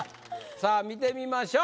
さあ見てみましょう。